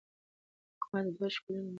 حکومت دوه شکلونه لري.